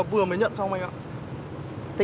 vừa mới nhận xong anh ạ